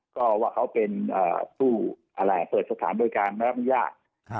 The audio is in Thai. ก็ว่าเขาเป็นผู้เปิดสถานบริการแล้วมันยาก